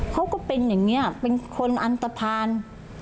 ก็เป็นอย่างนี้เป็นคนอันตภัณฑ์